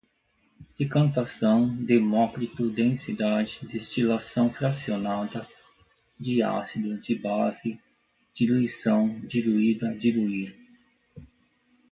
decantação, demócrito, densidade, destilação fracionada, diácido, dibase, diluição, diluída, diluir